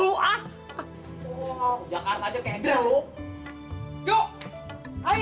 jakarta aja kayak gila lu